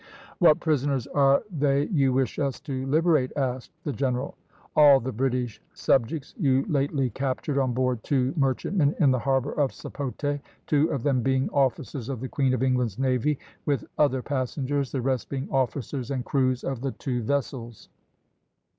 "What prisoners are they you wish us to liberate?" asked the general. "All the British subjects you lately captured on board two merchantmen in the harbour of Sapote, two of them being officers of the Queen of England's navy, with other passengers, the rest being officers and crews of the two vessels."